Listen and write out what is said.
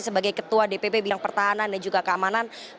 sebagai ketua dpp bidang pertahanan dan juga keamanan